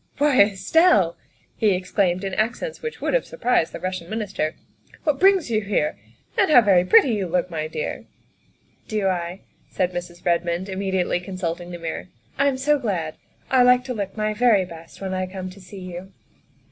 '' Why, Estelle, '' he exclaimed in accents which would have surprised the Russian Minister, " what brings you here? And how very pretty you look, my dear." " Do I ?" said Mrs. Redmond, immediately consulting the mirror. " I'm so glad. I like to look my very best when I come to see you."